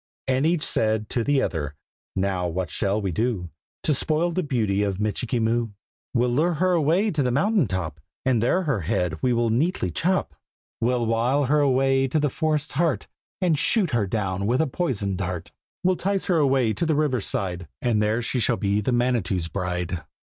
And each said to the other "Now what shall we do To spoil the beauty of Michikee Moo?" "We'll lure her away to the mountain top, And there her head we will neatly chop!" "We'll wile her away to the forest's heart, And shoot her down with a poisoned dart!" "We'll 'tice her away to the river side, And there she shall be the Manitou's bride!"